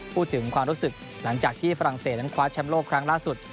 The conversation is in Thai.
พูดถึงความรู้สึกหลังจากที่ฝรั่งเศสนั้นคว้าแชมป์โลกครั้งล่าสุด